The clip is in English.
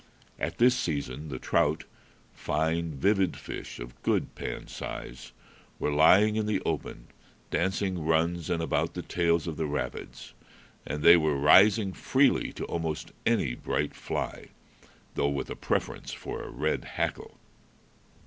At this season the trout fine, vivid fish, of good pan size were lying in the open, dancing runs and about the tails of the rapids; and they were rising freely to almost any bright fly, though with a preference for a red hackle.